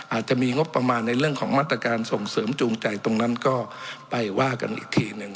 อาจจะมีงบประมาณในเรื่องของมาตรการส่งเสริมจูงใจตรงนั้นก็ไปว่ากันอีกทีหนึ่ง